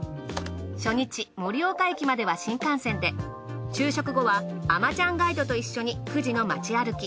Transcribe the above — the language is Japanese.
初日盛岡駅までは新幹線で昼食後はあまちゃんガイドと一緒に久慈の街歩き。